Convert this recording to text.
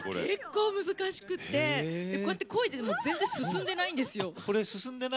結構、難しくてこうやって、こいでても全然、進んでないんですよ。